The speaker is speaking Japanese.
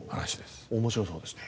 面白そうですね。